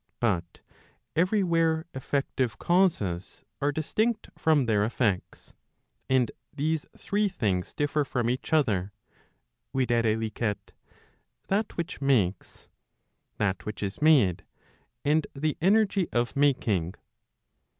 But every where effective causes are distinct from their effects: and these three things differ from each other, viz. that which makes, that which is made, and the energy of making.